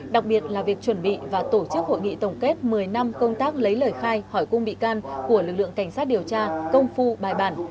đặc biệt là việc chuẩn bị và tổ chức hội nghị tổng kết một mươi năm công tác lấy lời khai hỏi cung bị can của lực lượng cảnh sát điều tra công phu bài bản